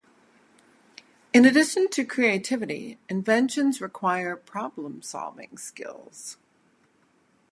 In addition to creativity, inventions require problem-solving skills.